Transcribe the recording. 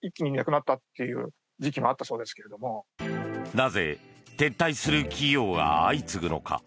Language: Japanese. なぜ撤退する企業が相次ぐのか。